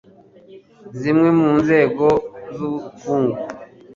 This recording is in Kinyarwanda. Zimwe mu nzego z'ubukungu